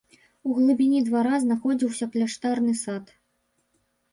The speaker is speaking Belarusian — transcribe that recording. У глыбіні двара знаходзіўся кляштарны сад.